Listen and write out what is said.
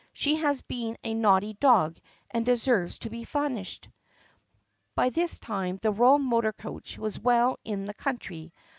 "She has been a naughty dog and deserves to be punished." By this time the royal motor coach was well in the country.